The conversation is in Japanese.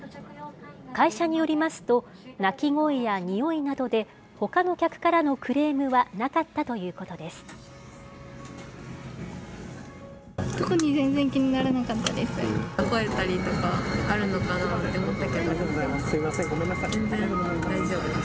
会社によりますと、鳴き声や臭いなどでほかの客からのクレームはなかったということです。